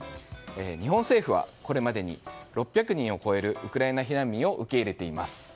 日本政府は、これまでに６００人を超えるウクライナ避難民を受け入れています。